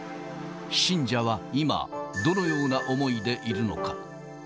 信者は今、どのような思いでいるのか。